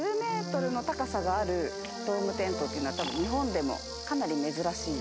１０ｍの高さがあるドームテントっていうのはたぶん日本でもかなり珍しい。